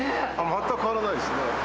全く変わらないですね。